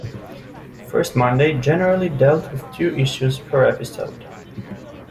"First Monday" generally dealt with two issues per episode.